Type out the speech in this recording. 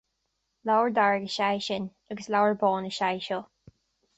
Leabhar dearg is ea é sin, agus leabhar bán is ea é seo